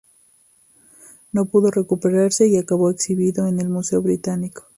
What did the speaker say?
No pudo recuperarse y acabó exhibido en el Museo Británico.